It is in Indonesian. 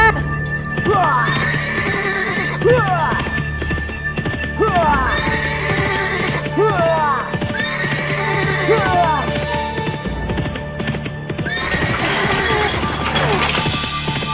sembara awas nak